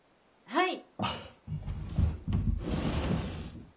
はい。